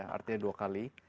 artinya dua kali